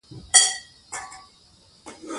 سلیپ فېلډران ډېر نږدې درېږي.